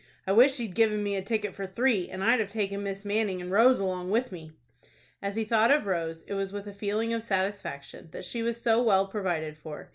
I wish he'd given me a ticket for three, and I'd have taken Miss Manning and Rose along with me." As he thought of Rose, it was with a feeling of satisfaction that she was so well provided for.